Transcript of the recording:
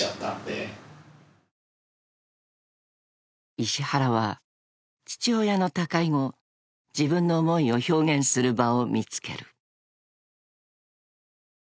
［石原は父親の他界後自分の思いを表現する場を見つける］